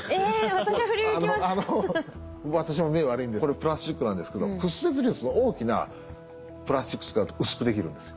私も目悪いんでこれプラスチックなんですけど屈折率の大きなプラスチック使うと薄くできるんですよ。